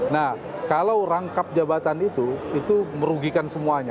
nah kalau rangkap jabatan itu itu merugikan semuanya